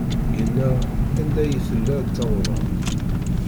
Yenna: Anda i iyi-tella ad tt-awḍeɣ.